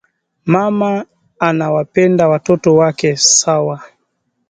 Mama anawapenda watoto wake sawa